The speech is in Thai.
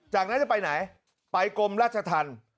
จากนั้นจะไปไหนไปกรมราชธรรม